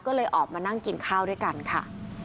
ก็เลยออกมานั่งกินข้าวด้วยกันค่ะ